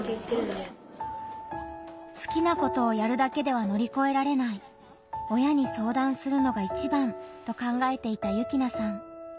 好きなことをやるだけでは乗り越えられない親に相談するのがいちばんと考えていた幸那さん。